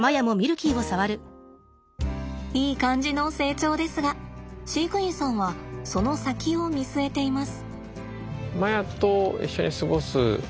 いい感じの成長ですが飼育員さんはその先を見据えています。